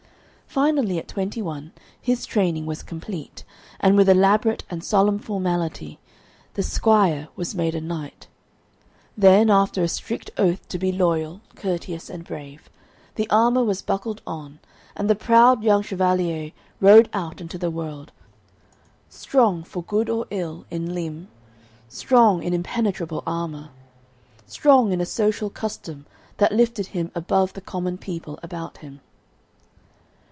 Finally, at twenty one, his training was complete, and with elaborate and solemn formality the squire was made a knight. Then, after a strict oath to be loyal, courteous, and brave, the armour was buckled on, and the proud young chevalier rode out into the world, strong for good or ill in limb, strong in impenetrable armour, strong in a social custom that lifted him above the common people about him.